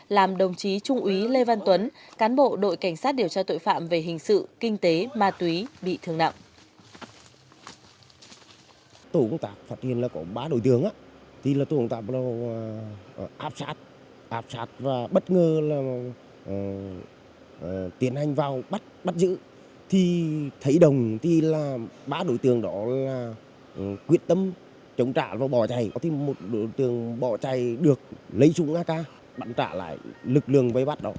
làm đồng chí trung úy lê văn tuấn cán bộ đội cảnh sát điều tra tội phạm về hình sự kinh tế ma túy bị thương nặng